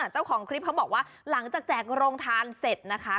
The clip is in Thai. เจ้าของคลิปเขาบอกว่าหลังจากแจกโรงทานเสร็จนะคะ